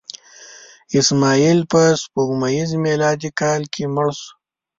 اسماعیل په سپوږمیز میلادي کال کې مړ شو.